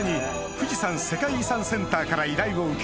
富士山世界遺産センターから依頼を受け